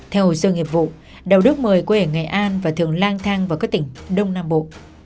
theo hồ sơ nghiệp vụ đào đức mời quê ở nghệ an và thường lang thang vào các tỉnh đông nam bộ